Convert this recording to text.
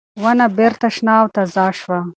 ونه بېرته شنه او تازه شوه.